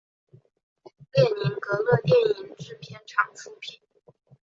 列宁格勒电影制片厂出品。